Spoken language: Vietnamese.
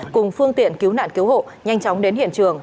cùng phương tiện cứu nạn cứu hộ nhanh chóng đến hiện trường